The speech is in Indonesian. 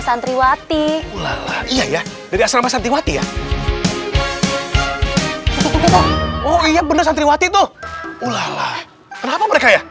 santriwati ulala iya ya dari asrama santriwati ya oh iya bener santriwati tuh ulala kenapa mereka ya